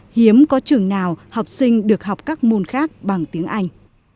hiếm có trường nào học sinh được học các môn khác bằng tiếng anh